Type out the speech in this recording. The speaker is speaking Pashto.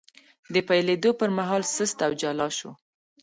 د پیلېدو پر مهال سست او جلا شو،